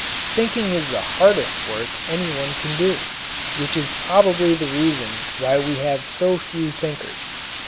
Thinking is the hardest work any one can do which is probably the reason why we have so few thinkers.